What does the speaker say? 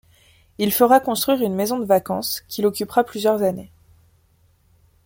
Il fera construire une maison de vacances qu'il occupera plusieurs années.